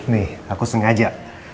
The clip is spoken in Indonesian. nih aku sengaja